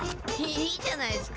いいじゃないっすか。